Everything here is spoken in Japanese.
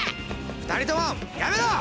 ２人ともやめろ！